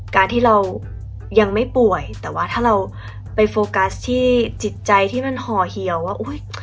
การที่เรายังไม่ป่วยแต่ว่าถ้าเราไปโฟกัสที่จิตใจที่มันห่อเหี่ยวว่าอุ้ย